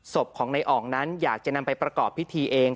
ศพของในอ่องนั้นอยากจะนำไปประกอบพิธีเอง